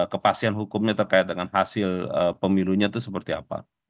kepastian hukumnya terkait dengan hasil pemilunya itu seperti apa